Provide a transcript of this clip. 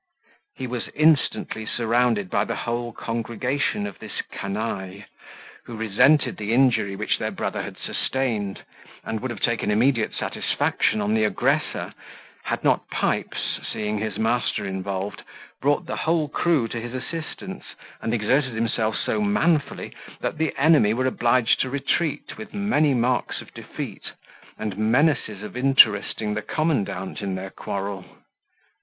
He was instantly surrounded by the whole congregation of this canaille, who resented the injury which their brother had sustained, and would have taken immediate satisfaction on the aggressor, had not Pipes, seeing his master involved, brought the whole crew to his assistance, and exerted himself so manfully that the enemy were obliged to retreat with many marks of defeat, and menaces of interesting the commandant in their quarrel.